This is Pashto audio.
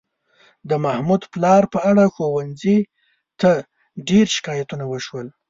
د محمود پلار په اړه ښوونځي ته ډېر شکایتونه وشول.